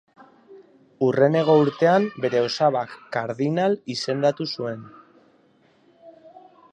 Hurrengo urtean bere osabak kardinal izendatu zuen.